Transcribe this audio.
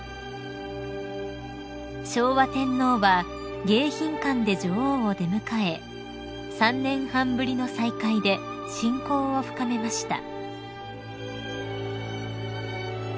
［昭和天皇は迎賓館で女王を出迎え３年半ぶりの再会で親交を深めました］